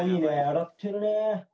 洗ってるね。